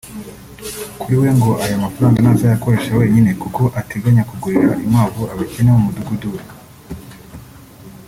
Kuri we ngo aya mafaranga ntazayakoresha wenyine kuko ateganya kugurira inkwavu abakene bo mu mudugdu we